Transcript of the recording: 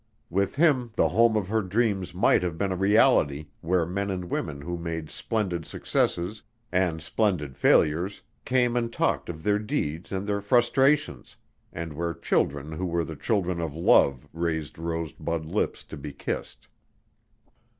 With him the home of her dreams might have been a reality where men and women who made splendid successes and splendid failures came and talked of their deeds and their frustrations, and where children who were the children of love raised rose bud lips to be kissed.